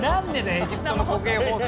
エジプトの国営放送！